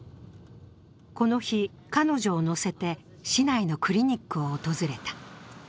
この日、彼女を乗せて市内のクリニックを訪れた。